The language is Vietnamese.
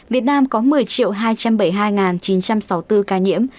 việt nam có một mươi hai trăm bảy mươi hai chín trăm sáu mươi bốn ca nhiễm